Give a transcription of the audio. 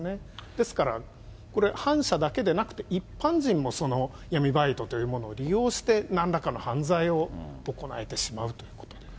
ですから、これ、反社だけでなくて、一般人も、その闇バイトというものを利用して、なんらかの犯罪を行えてしまうということです。